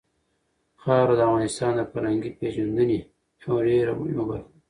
خاوره د افغانانو د فرهنګي پیژندنې یوه ډېره مهمه برخه ده.